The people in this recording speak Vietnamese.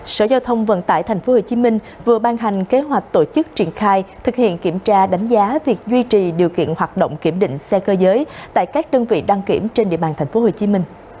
sở giao thông vận tải tp hcm vừa ban hành kế hoạch tổ chức triển khai thực hiện kiểm tra đánh giá việc duy trì điều kiện hoạt động kiểm định xe cơ giới tại các đơn vị đăng kiểm trên địa bàn tp hcm